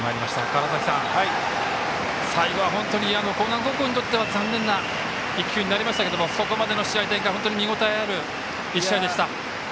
川原崎さん、最後は本当に興南高校にとっては残念な１球になりましたけれどもそこまでの試合展開見応えのある１試合でした。